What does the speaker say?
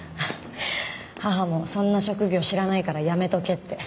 母も「そんな職業知らないからやめとけ」って。